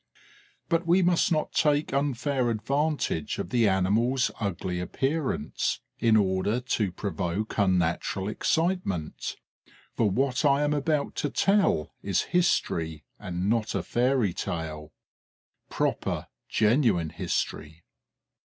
But we must not take an unfair advantage of the animal's ugly appearance in order to provoke unnatural excitement, for what I am about to tell is history and not a fairy tale: proper, genuine history.